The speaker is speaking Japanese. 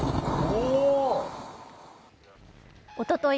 おととい